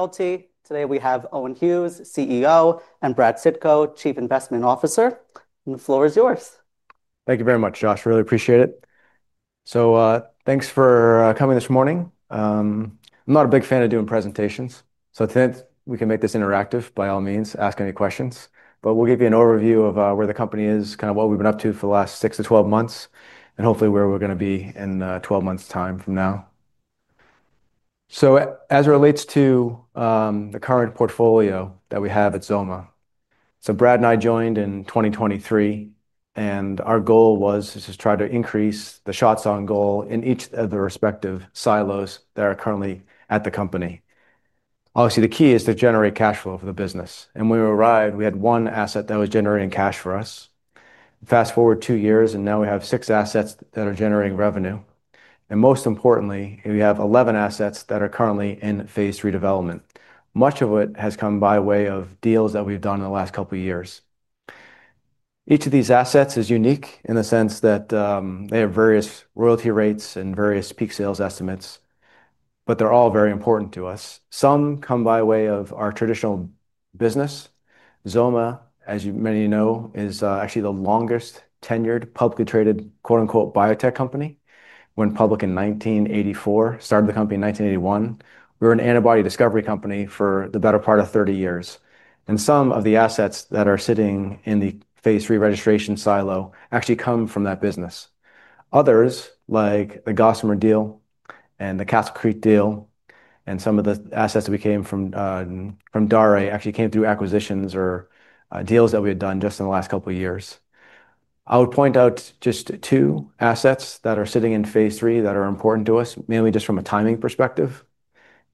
Today we have Owen Hughes, CEO, and Brad Sitko, Chief Investment Officer. The floor is yours. Thank you very much, Josh. Really appreciate it. Thanks for coming this morning. I'm not a big fan of doing presentations. I think we can make this interactive by all means. Ask any questions. We'll give you an overview of where the company is, kind of what we've been up to for the last 6 to 12 months, and hopefully where we're going to be in 12 months' time from now. As it relates to the current portfolio that we have at XOMA, Brad and I joined in 2023, and our goal was to try to increase the shot-selling goal in each of the respective silos that are currently at the company. Obviously, the key is to generate cash flow for the business. When we arrived, we had one asset that was generating cash for us. Fast forward two years, and now we have six assets that are generating revenue. Most importantly, we have 11 assets that are currently in phase three development. Much of it has come by way of deals that we've done in the last couple of years. Each of these assets is unique in the sense that they have various royalty rates and various peak sales estimates, but they're all very important to us. Some come by way of our traditional business. XOMA, as you may know, is actually the longest tenured publicly traded quote unquote biotech company. Went public in 1984, started the company in 1981. We were an antibody discovery company for the better part of 30 years. Some of the assets that are sitting in the phase three registration silo actually come from that business. Others, like the Gossamer deal and the Castle Creek deal, and some of the assets that we came from, from DARE actually came through acquisitions or deals that we had done just in the last couple of years. I would point out just two assets that are sitting in phase three that are important to us, mainly just from a timing perspective.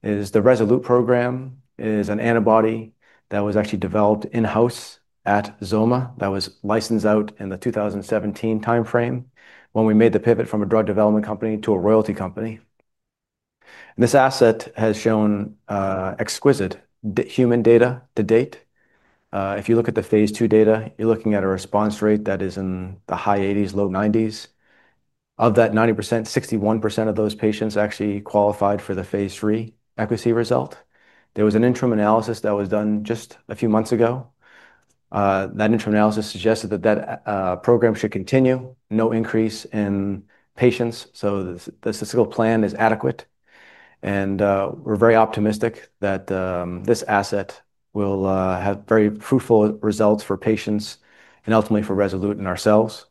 The Resolute program is an antibody that was actually developed in-house at XOMA that was licensed out in the 2017 timeframe when we made the pivot from a drug development company to a royalty company. This asset has shown exquisite human data to date. If you look at the phase two data, you're looking at a response rate that is in the high 80%, low 90%. Of that 90%, 61% of those patients actually qualified for the phase three accuracy result. There was an interim analysis that was done just a few months ago. That interim analysis suggested that that program should continue. No increase in patients, so the statistical plan is adequate. We're very optimistic that this asset will have very fruitful results for patients and ultimately for Resolute and ourselves.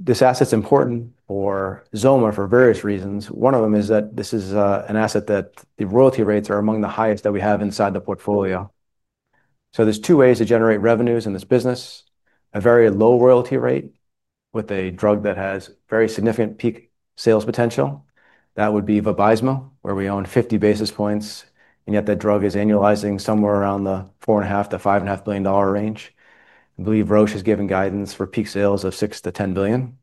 This asset's important for XOMA for various reasons. One of them is that this is an asset where the royalty rates are among the highest that we have inside the portfolio. There are two ways to generate revenues in this business: a very low royalty rate with a drug that has very significant peak sales potential. That would be Vabysmo, where we own 50 basis points, and yet that drug is annualizing somewhere around the $4.5 to $5.5 billion range. I believe Roche has given guidance for peak sales of $6 to $10 billion.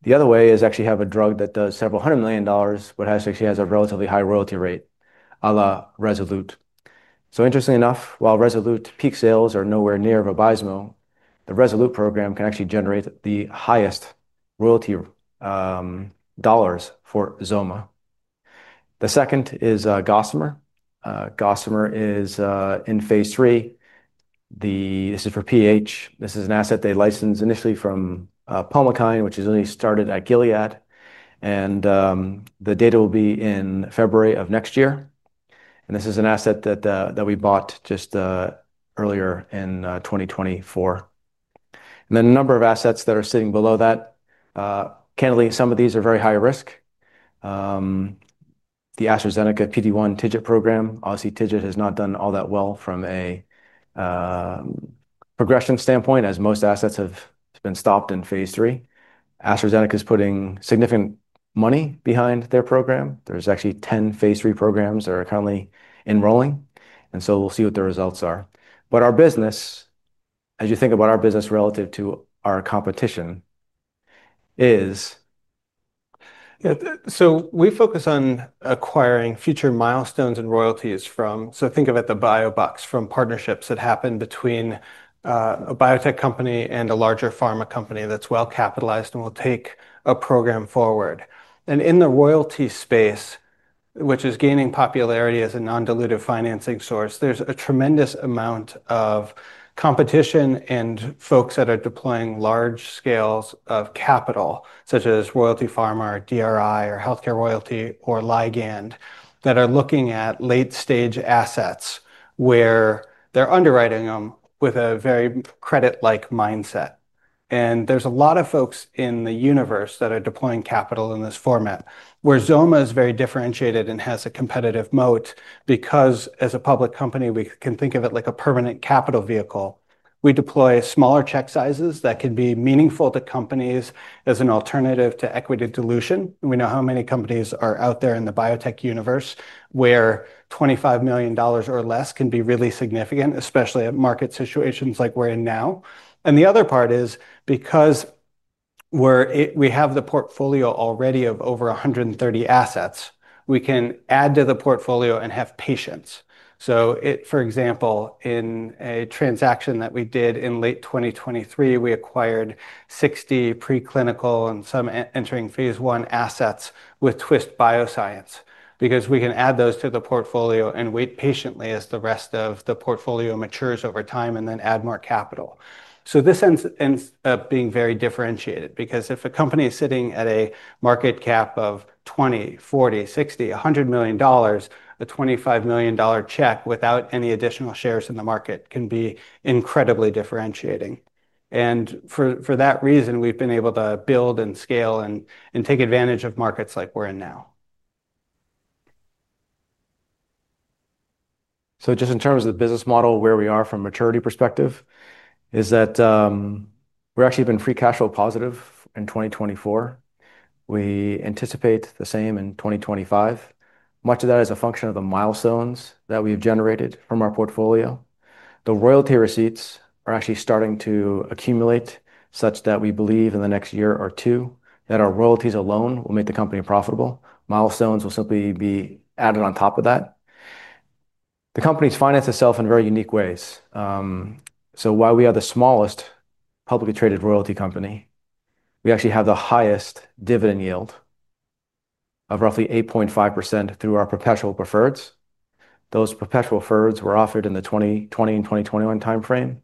The other way is actually to have a drug that does several hundred million dollars, but actually has a relatively high royalty rate, a la Resolute. Interestingly enough, while Resolute peak sales are nowhere near Vabysmo, the Resolute program can actually generate the highest royalty dollars for XOMA. The second is Gossamer. Gossamer is in phase three. This is for pH. This is an asset they licensed initially from Pulmokine, which has only started at Gilead. The data will be in February of next year. This is an asset that we bought just earlier in 2024. Then a number of assets are sitting below that. Candidly, some of these are very high risk. The AstraZeneca PD-1 TIGIT program, obviously, TIGIT has not done all that well from a progression standpoint as most assets have been stopped in phase three. AstraZeneca is putting significant money behind their program. There are actually 10 phase three programs that are currently enrolling. We'll see what the results are. Our business, as you think about our business relative to our competition, is... Yeah, so we focus on acquiring future milestones and royalties from, so think of it, the bio box from partnerships that happen between a biotech company and a larger pharma company that's well capitalized and will take a program forward. In the royalty space, which is gaining popularity as a non-dilutive financing source, there's a tremendous amount of competition and folks that are deploying large scales of capital, such as Royalty Pharma, DRI, Healthcare Royalty, or Ligand, that are looking at late-stage assets where they're underwriting them with a very credit-like mindset. There's a lot of folks in the universe that are deploying capital in this format. Where XOMA is very differentiated and has a competitive moat because, as a public company, we can think of it like a permanent capital vehicle. We deploy smaller check sizes that can be meaningful to companies as an alternative to equity dilution. We know how many companies are out there in the biotech universe where $25 million or less can be really significant, especially at market situations like we're in now. The other part is because we have the portfolio already of over 130 assets, we can add to the portfolio and have patience. For example, in a transaction that we did in late 2023, we acquired 60 preclinical and some entering phase one assets with Twist Bioscience because we can add those to the portfolio and wait patiently as the rest of the portfolio matures over time and then add more capital. This ends up being very differentiated because if a company is sitting at a market cap of $20 million, $40 million, $60 million, $100 million, a $25 million check without any additional shares in the market can be incredibly differentiating. For that reason, we've been able to build and scale and take advantage of markets like we're in now. In terms of the business model, where we are from a maturity perspective, is that we've actually been free cash flow positive in 2024. We anticipate the same in 2025. Much of that is a function of the milestones that we've generated from our portfolio. The royalty receipts are actually starting to accumulate such that we believe in the next year or two that our royalties alone will make the company profitable. Milestones will simply be added on top of that. The company's financed itself in very unique ways. While we are the smallest publicly traded royalty company, we actually have the highest dividend yield of roughly 8.5% through our perpetual preferreds. Those perpetual preferreds were offered in the 2020 and 2021 timeframe,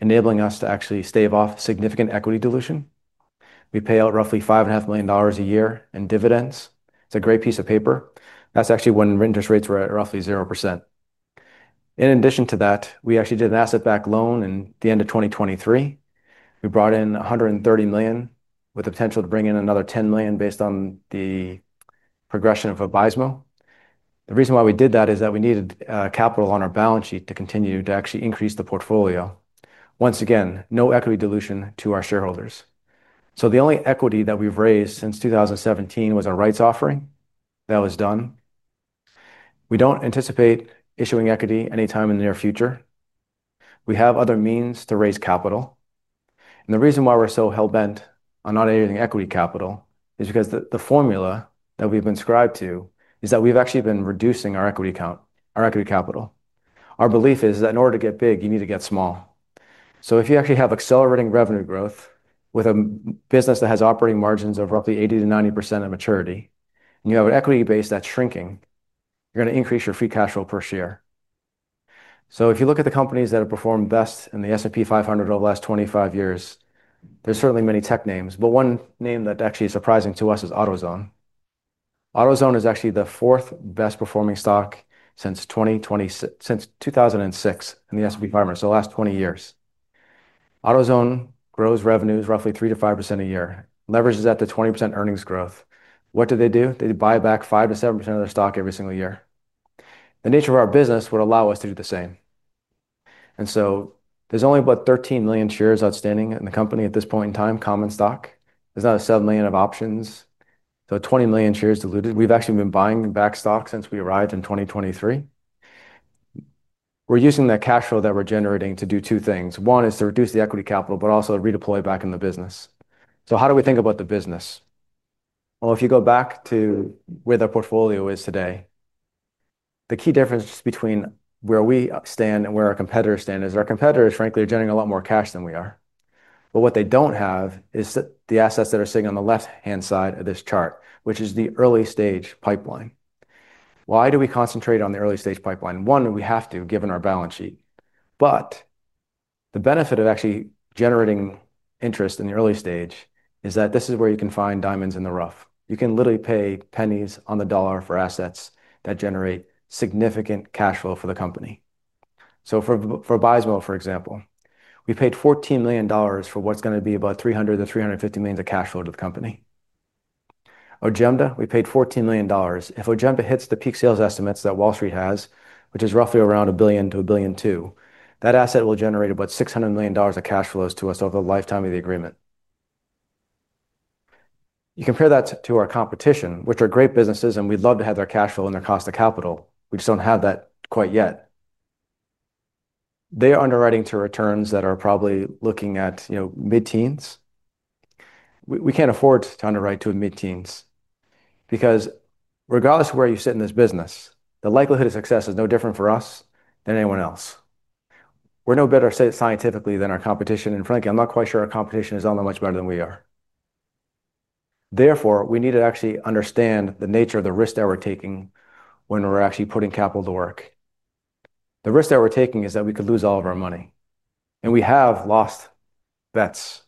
enabling us to actually stave off significant equity dilution. We pay out roughly $5.5 million a year in dividends. It's a great piece of paper. That's actually when interest rates were at roughly 0%. In addition to that, we actually did an asset-backed loan in the end of 2023. We brought in $130 million with the potential to bring in another $10 million based on the progression of Vabysmo. The reason why we did that is that we needed capital on our balance sheet to continue to actually increase the portfolio. Once again, no equity dilution to our shareholders. The only equity that we've raised since 2017 was a rights offering that was done. We don't anticipate issuing equity anytime in the near future. We have other means to raise capital. The reason why we're so hell-bent on not adding equity capital is because the formula that we've been scribed to is that we've actually been reducing our equity count, our equity capital. Our belief is that in order to get big, you need to get small. If you actually have accelerating revenue growth with a business that has operating margins of roughly 80 to 90% of maturity, and you have an equity base that's shrinking, you're going to increase your free cash flow per share. If you look at the companies that have performed best in the S&P 500 over the last 25 years, there's certainly many tech names, but one name that actually is surprising to us is AutoZone. AutoZone is actually the fourth best-performing stock since 2006 in the S&P 500, so the last 20 years. AutoZone grows revenues roughly 3 to 5% a year, leverages that to 20% earnings growth. What do they do? They buy back 5 to 7% of their stock every single year. The nature of our business would allow us to do the same. There's only about 13 million shares outstanding in the company at this point in time, common stock. There's another 7 million of options, so 20 million shares diluted. We've actually been buying back stock since we arrived in 2023. We're using that cash flow that we're generating to do two things. One is to reduce the equity capital, but also to redeploy back in the business. How do we think about the business? If you go back to where the portfolio is today, the key difference between where we stand and where our competitors stand is our competitors, frankly, are generating a lot more cash than we are. What they don't have is the assets that are sitting on the left-hand side of this chart, which is the early-stage pipeline. Why do we concentrate on the early-stage pipeline? One, we have to, given our balance sheet. The benefit of actually generating interest in the early stage is that this is where you can find diamonds in the rough. You can literally pay pennies on the dollar for assets that generate significant cash flow for the company. For Vabysmo, for example, we paid $14 million for what's going to be about $300 million to $350 million of cash flow to the company. Ojemba, we paid $14 million. If Ojemba hits the peak sales estimates that Wall Street has, which is roughly around $1 billion to $1.2 billion, that asset will generate about $600 million of cash flows to us over the lifetime of the agreement. You compare that to our competition, which are great businesses, and we'd love to have their cash flow and their cost of capital. We just don't have that quite yet. They are underwriting to returns that are probably looking at mid-teens. We can't afford to underwrite to a mid-teens because regardless of where you sit in this business, the likelihood of success is no different for us than anyone else. We're no better scientifically than our competition, and frankly, I'm not quite sure our competition is all that much better than we are. Therefore, we need to actually understand the nature of the risk that we're taking when we're actually putting capital to work. The risk that we're taking is that we could lose all of our money. We have lost bets.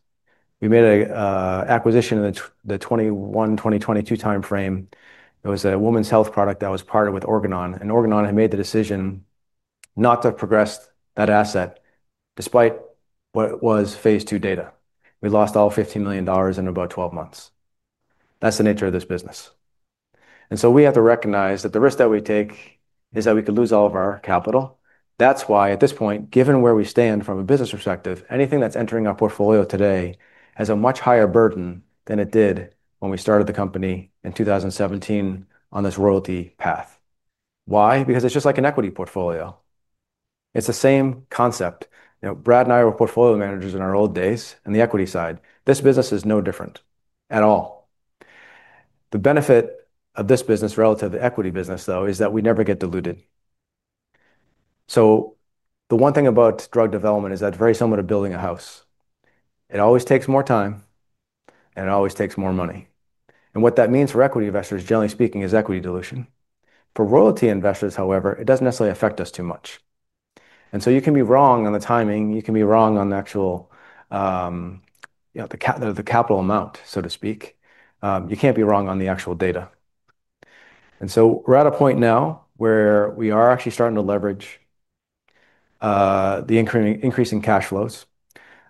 We made an acquisition in the 2021, 2022 timeframe. It was a women's health product that was partnered with Organon, and Organon had made the decision not to progress that asset despite what was phase two data. We lost all $15 million in about 12 months. That's the nature of this business. We have to recognize that the risk that we take is that we could lose all of our capital. That's why, at this point, given where we stand from a business perspective, anything that's entering our portfolio today has a much higher burden than it did when we started the company in 2017 on this royalty path. Why? Because it's just like an equity portfolio. It's the same concept. You know, Brad and I were portfolio managers in our old days in the equity side. This business is no different at all. The benefit of this business relative to the equity business, though, is that we never get diluted. The one thing about drug development is that it's very similar to building a house. It always takes more time, and it always takes more money. What that means for equity investors, generally speaking, is equity dilution. For royalty investors, however, it doesn't necessarily affect us too much. You can be wrong on the timing, you can be wrong on the actual, you know, the capital amount, so to speak. You can't be wrong on the actual data. We're at a point now where we are actually starting to leverage the increase in cash flows.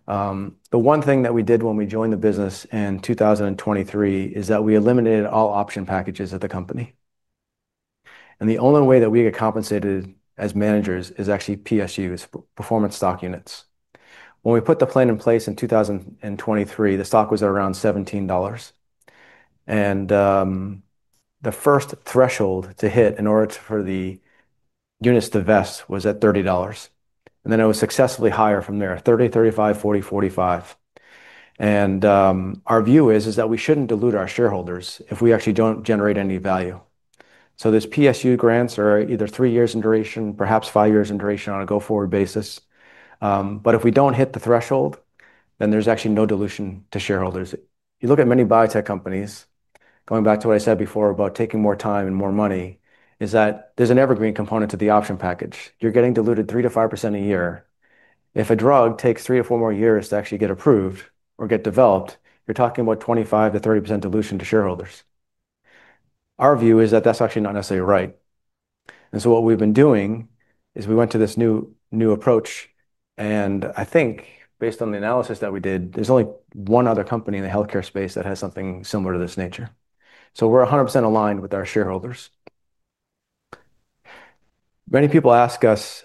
The one thing that we did when we joined the business in 2023 is that we eliminated all option packages at the company. The only way that we get compensated as managers is actually PSUs, performance stock units. When we put the plan in place in 2023, the stock was at around $17. The first threshold to hit in order for the units to vest was at $30. It was successively higher from there, $30, $35, $40, $45. Our view is that we shouldn't dilute our shareholders if we actually don't generate any value. These PSU grants are either three years in duration, perhaps five years in duration on a go-forward basis. If we don't hit the threshold, then there's actually no dilution to shareholders. You look at many biotech companies, going back to what I said before about taking more time and more money, there is an evergreen component to the option package. You're getting diluted 3% to 5% a year. If a drug takes three or four more years to actually get approved or get developed, you're talking about 25% to 30% dilution to shareholders. Our view is that that's actually not necessarily right. What we've been doing is we went to this new approach, and I think based on the analysis that we did, there's only one other company in the healthcare space that has something similar to this nature. We're 100% aligned with our shareholders. Many people ask us,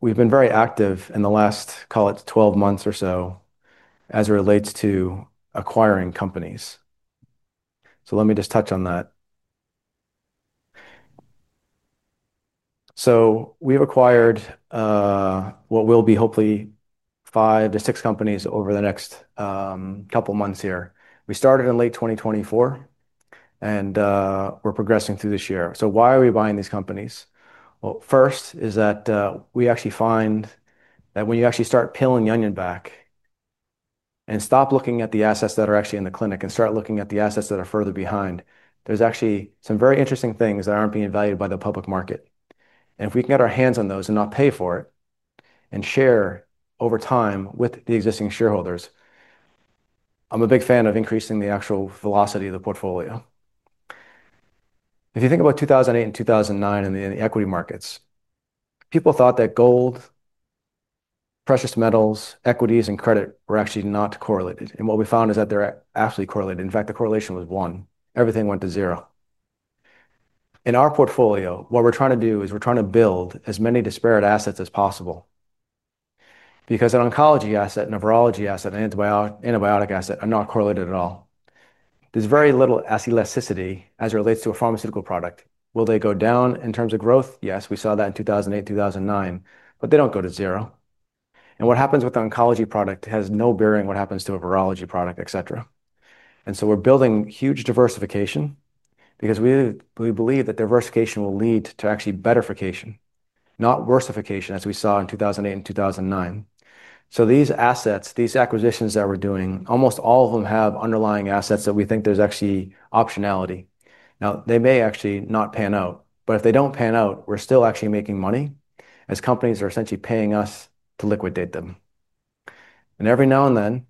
we've been very active in the last, call it 12 months or so, as it relates to acquiring companies. Let me just touch on that. We've acquired what will be hopefully five to six companies over the next couple of months here. We started in late 2024, and we're progressing through this year. Why are we buying these companies? First is that we actually find that when you actually start peeling the onion back and stop looking at the assets that are actually in the clinic and start looking at the assets that are further behind, there's actually some very interesting things that aren't being valued by the public market. If we can get our hands on those and not pay for it and share over time with the existing shareholders, I'm a big fan of increasing the actual velocity of the portfolio. If you think about 2008 and 2009 in the equity markets, people thought that gold, precious metals, equities, and credit were actually not correlated. What we found is that they're actually correlated. In fact, the correlation was one. Everything went to zero. In our portfolio, what we're trying to do is we're trying to build as many disparate assets as possible because an oncology asset, a nephrology asset, an antibiotic asset are not correlated at all. There's very little elasticity as it relates to a pharmaceutical product. Will they go down in terms of growth? Yes, we saw that in 2008, 2009, but they don't go to zero. What happens with an oncology product has no bearing on what happens to a virology product, etc. We're building huge diversification because we believe that diversification will lead to actually betterification, not worsification, as we saw in 2008 and 2009. These assets, these acquisitions that we're doing, almost all of them have underlying assets that we think there's actually optionality. They may actually not pan out, but if they don't pan out, we're still actually making money as companies are essentially paying us to liquidate them. Every now and then,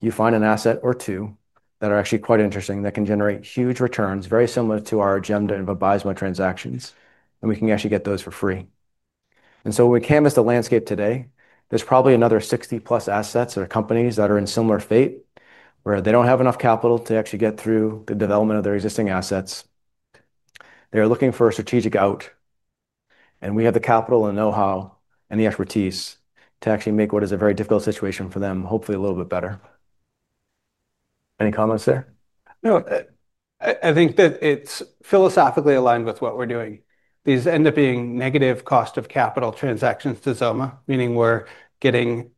you find an asset or two that are actually quite interesting that can generate huge returns, very similar to our agenda in Vabysmo transactions, and we can actually get those for free. When we canvas the landscape today, there's probably another 60+ assets or companies that are in similar fate where they don't have enough capital to actually get through the development of their existing assets. They are looking for a strategic out, and we have the capital, the know-how, and the expertise to actually make what is a very difficult situation for them hopefully a little bit better. Any comments there? No, I think that it's philosophically aligned with what we're doing. These end up being negative cost of capital transactions to XOMA, meaning we're getting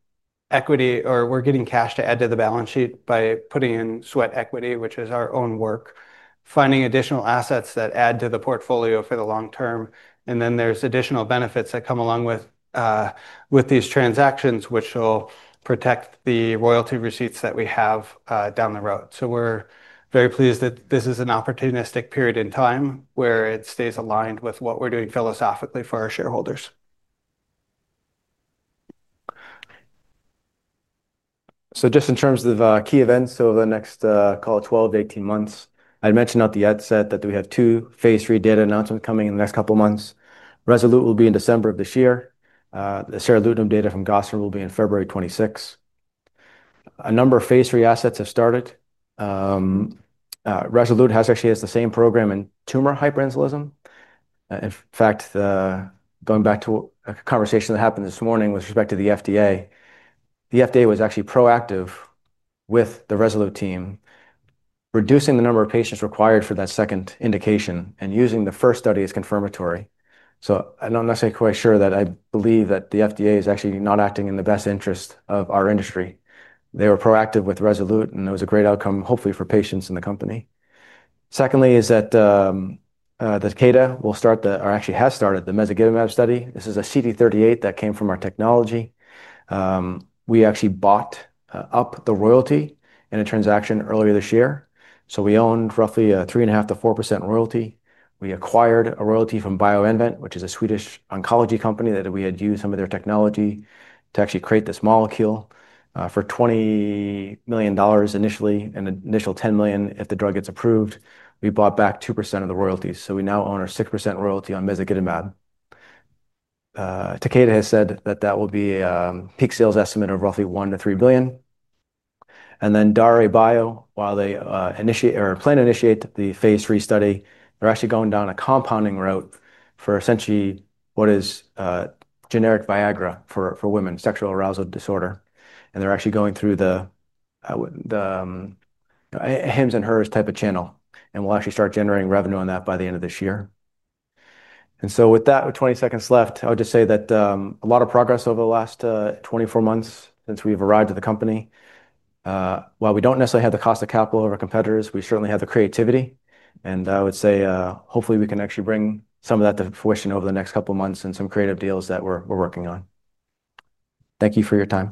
equity or we're getting cash to add to the balance sheet by putting in sweat equity, which is our own work, finding additional assets that add to the portfolio for the long term. There are additional benefits that come along with these transactions, which will protect the royalty receipts that we have down the road. We're very pleased that this is an opportunistic period in time where it stays aligned with what we're doing philosophically for our shareholders. In terms of key events over the next, call it 12 to 18 months, I'd mentioned at the outset that we have two phase three data announcements coming in the next couple of months. Resolute will be in December of this year. The Serolutum data from Gossamer will be in February 26th. A number of phase three assets have started. Resolute has actually the same program in tumor hyperinsulism. In fact, going back to a conversation that happened this morning with respect to the FDA, the FDA was actually proactive with the Resolute team, reducing the number of patients required for that second indication and using the first study as confirmatory. I'm not necessarily quite sure that I believe that the FDA is actually not acting in the best interest of our industry. They were proactive with Resolute, and it was a great outcome, hopefully, for patients and the company. Secondly, the Takeda will start the, or actually has started the mesoglobin map study. This is a CD38 that came from our technology. We actually bought up the royalty in a transaction earlier this year. We owned roughly a 3.5% to 4% royalty. We acquired a royalty from BioInvent, which is a Swedish oncology company that we had used some of their technology to actually create this molecule, for $20 million initially, and an initial $10 million if the drug gets approved. We bought back 2% of the royalties. We now own a 6% royalty on mesoglobin map. Takeda has said that that will be a peak sales estimate of roughly $1 billion to $3 billion. DARE Bio, while they plan to initiate the phase three study, they're actually going down a compounding route for essentially what is generic Viagra for women, sexual arousal disorder. They're actually going through the, the, hymns and hers type of channel. We'll actually start generating revenue on that by the end of this year. With 20 seconds left, I would just say that a lot of progress over the last 24 months since we've arrived at the company. While we don't necessarily have the cost of capital of our competitors, we certainly have the creativity. I would say, hopefully we can actually bring some of that to fruition over the next couple of months and some creative deals that we're working on. Thank you for your time.